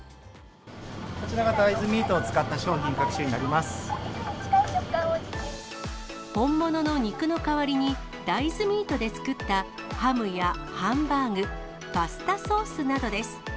こちらが大豆ミートを使った本物の肉の代わりに、大豆ミートで作ったハムやハンバーグ、パスタソースなどです。